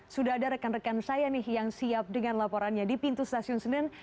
sudah ada rekan rekan saya nih yang siap dengan laporannya di pintu stasiun senen